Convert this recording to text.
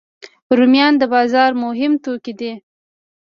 رومیان د بازار مهم توکي دي